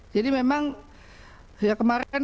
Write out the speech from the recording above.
jadi memang ya kemarin